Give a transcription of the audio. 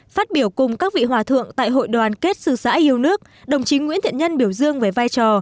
phát biểu cùng các vị hòa thượng tại hội đoàn kết sư sãi yêu nước đồng chí nguyễn thiện nhân biểu dương về vai trò